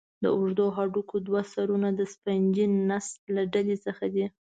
د اوږدو هډوکو دوه سرونه د سفنجي نسج له ډلې څخه دي.